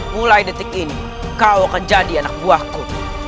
mulai detik ini kau akan jadi anak buahku